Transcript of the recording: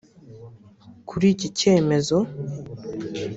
Kuri iki cyemezo